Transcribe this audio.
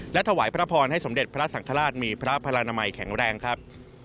และถวายพระพรให้สมเด็จพระสังฆราชมีพระพลนามัยแข็งแรงครับ